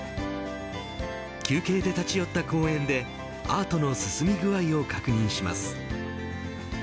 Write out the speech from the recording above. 休憩で立ち寄った公園でアートの進み具合を確認します。